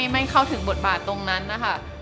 ไม่เข้าถึงบทบาทตรงนั้นนะคะ